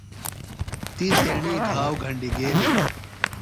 تی تیݨی گھاؤ گھنڈیۡ گیلیۡ۔